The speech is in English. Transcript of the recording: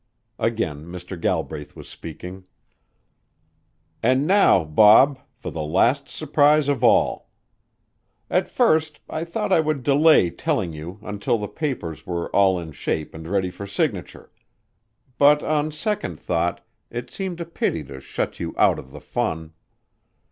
Again Mr. Galbraith was speaking. "And now, Bob, for the last surprise of all. At first, I thought I would delay telling you until the papers were all in shape and ready for signature; but on second thought it seemed a pity to shut you out of the fun.